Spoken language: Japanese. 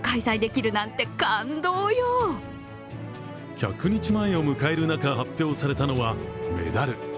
１００日前を迎える中発表されたのはメダル。